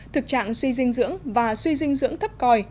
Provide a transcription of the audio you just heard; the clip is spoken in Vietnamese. thực trạng suy dinh dưỡng và suy dinh dưỡng thấp còi